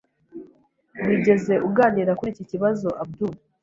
Wigeze uganira kuri iki kibazoAbdul?